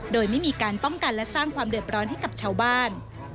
โดยไม่มีการป้องกันและสร้างความเดือดร้อนให้กับชาวบ้าน